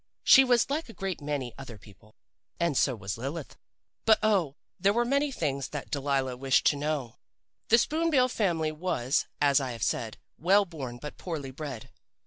She was like a great many other people. "And so was Lilith. "But oh, there were many things that Delilah wished to know! "The Spoon bill family was, as I have said, well born but poorly bred.